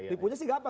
tipunya sih gak apa